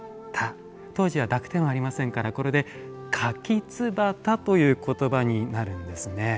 当時は濁点はありませんからこれで「かきつばた」という言葉になるんですね。